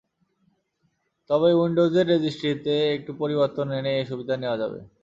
তবে উইন্ডোজের রেজিস্ট্রিতে একটু পরিবর্তন এনে এ সুবিধা নেওয়া যাবে।